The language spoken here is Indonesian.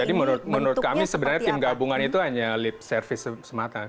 menurut kami sebenarnya tim gabungan itu hanya lip service semata